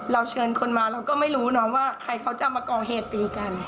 เราเชิญคนมาเราก็ไม่รู้น้อว่าใครเขาจะมากองเหตุการณ์กัน